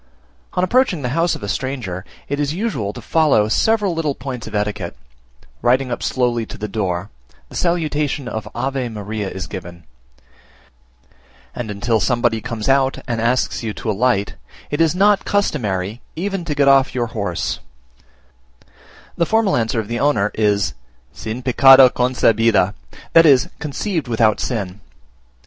On approaching the house of a stranger, it is usual to follow several little points of etiquette: riding up slowly to the door, the salutation of Ave Maria is given, and until somebody comes out and asks you to alight, it is not customary even to get off your horse: the formal answer of the owner is, "sin pecado concebida" that is, conceived without sin.